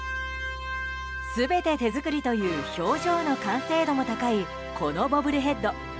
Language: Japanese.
全て手作りという表情の完成度も高いこのボブルヘッド。